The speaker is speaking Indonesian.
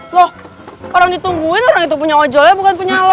lo orang ditungguin orang itu punya ojolnya bukan punya lo